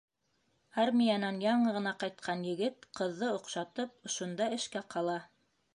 Армиянан яңы ғына ҡайтҡан егет, ҡыҙҙы оҡшатып, ошонда эшкә ҡала.